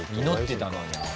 祈ってたのに。